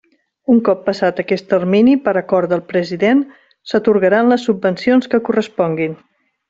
Un cop passat aquest termini per acord del president s'atorgaran les subvencions que corresponguin.